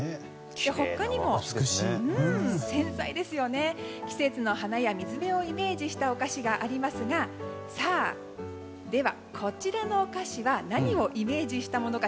他にも季節の花や水辺をイメージしたお菓子がありますがでは、こちらのお菓子は何をイメージしたものか